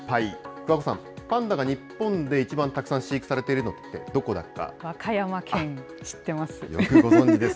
桑子さん、パンダが日本で一番たくさん飼育されているのってどこ和歌山県、知ってます。